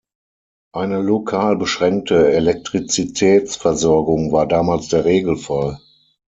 Eine lokal beschränkte Elektrizitätsversorgung war damals der Regelfall.